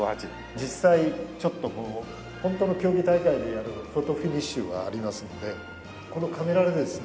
実際ちょっとこうホントの競技大会でやるフォトフィニッシュがありますのでこのカメラでですね